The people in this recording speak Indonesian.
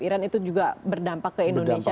iran itu juga berdampak ke indonesia